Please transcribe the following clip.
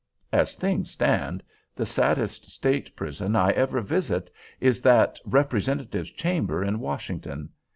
As things stand, the saddest state prison I ever visit is that Representatives' Chamber in Washington.